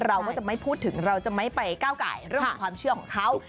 เราก็จะไม่พูดถึงเราจะไม่ไปก้าวไก่เรื่องของความเชื่อของเขา